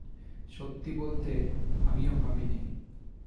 সত্যি বলতে, আমিও ভাবিনি।